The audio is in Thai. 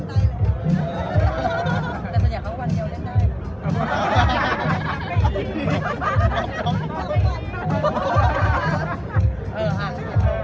โดยการออกกลางกายตามให้เค้าก็ผ่อน